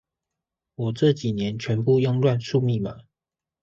我這幾年全部用亂數密碼